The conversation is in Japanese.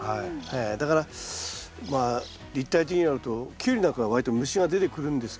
だからまあ立体的になるとキュウリなんかは割と虫が出てくるんですけどね。